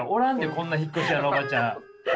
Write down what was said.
こんな引っ越し屋のおばちゃん。